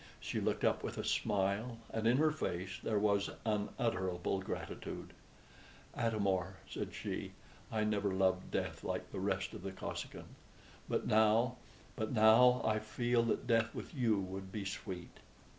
She looked up with a smile, and in her face there was unutterable gratitude. "Atam or," said she, "I never loved death like the rest of the Kosekin; but now but now I feel that death with you would be sweet."